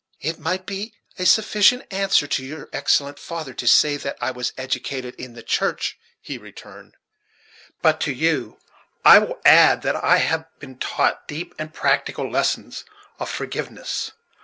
"It might be a sufficient answer to your excellent father to say that I was educated in the church," he returned; "but to you I will add that I have been taught deep and practical lessons of forgiveness.